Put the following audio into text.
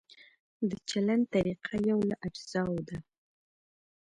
د چلند طریقه یو له اجزاوو ده.